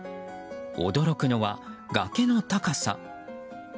驚くのは崖の高さ。